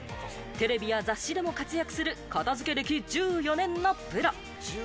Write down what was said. テレビや雑誌でも活躍する片付け歴１４年のプロ。